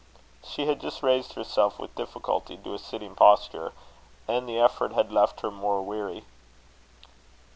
She had just raised herself with difficulty to a sitting posture, and the effort had left her more weary.